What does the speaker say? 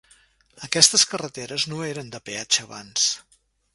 Aquestes carreteres no eren de peatge abans.